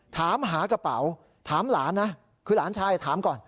ถามหากระเป๋าถามหลานนะคือหลานชายถามก่อน